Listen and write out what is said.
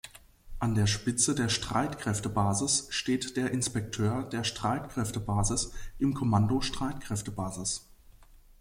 An der Spitze der Streitkräftebasis steht der Inspekteur der Streitkräftebasis im Kommando Streitkräftebasis.